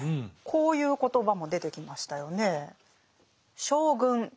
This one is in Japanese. こういう言葉も出てきましたよね。